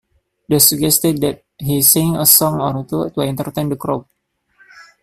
They suggested that he sing a song or two to entertain the crowd.